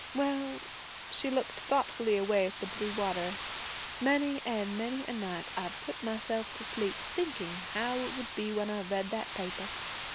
Well,' she looked thoughtfully away at the blue water, many an' many a night I've put myself to sleep thinking how it would be when I read that paper.